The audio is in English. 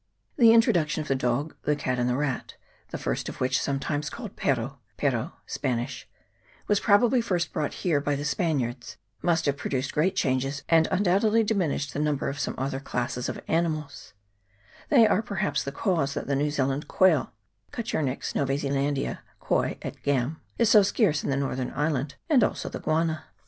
The introduction of the dog, the cat, and the rat, the first of which, some times called pero (Pero, Spanish}, was probably first brought here by the Spaniards, must have produced great changes, and undoubtedly diminished the number of some other classes of animals ; they are perhaps the cause that the New Zealand quail (Coturnix Novae Zelandise, Quoy et Gaim.) is so scarce in the northern island, and also the guana.